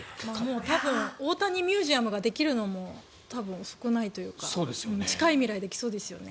多分大谷ミュージアムができるのも遅くないというか近い未来、できそうですよね。